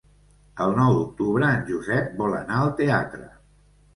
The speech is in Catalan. El nou d'octubre en Josep vol anar al teatre.